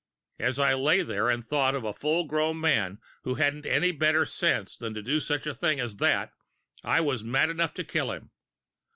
As I lay there and thought of a full grown man who hadn't any better sense than to do such a thing as that, I was mad enough to kill him.